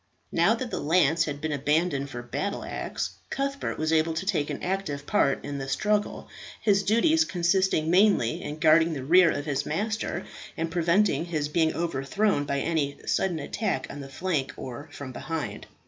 Now that the lance had been abandoned for battle axe, Cuthbert was able to take an active part in the struggle, his duties consisting mainly in guarding the rear of his master, and preventing his being overthrown by any sudden attack on the flank or from behind.